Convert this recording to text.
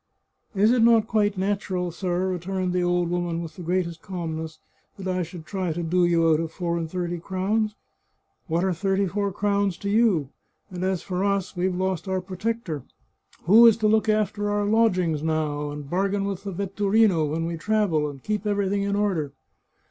" Is it not quite natural, sir," returned the old woman with the greatest calmness, " that I should try to do you out of four and thirty crowns? What are thirty four crowns to you? And as for us, we've lost our protector. Who is to look after our lodgings now, and bargain with the vetturino when we travel, and keep everything in order?